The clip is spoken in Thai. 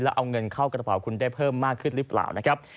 แล้วเอาเงินเข้ากระเป๋าคุณได้เพิ่มมากขึ้นหรือเปล่านะครับ